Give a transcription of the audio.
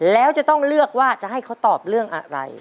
แล้วจะต้องเลือกว่าจะให้เขาตอบเรื่องอะไร